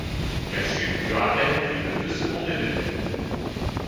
La chute dure à peine plus de deux secondes et demie.